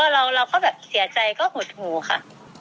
เราก็แบบเสียใจก็หดหูค่ะ